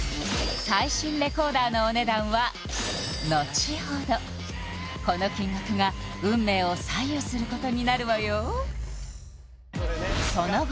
最新レコーダーのお値段はのちほどこの金額が運命を左右することになるわよ